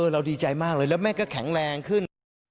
ดีใจมากเลยแล้วแม่ก็แข็งแรงขึ้น